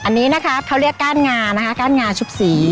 อันนี้นะคะเขาเรียกก้านงานะคะก้านงาชุบสี